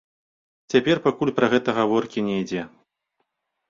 Цяпер пакуль пра гэта гаворкі не ідзе.